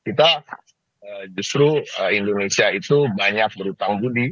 kita justru indonesia itu banyak berhutang budi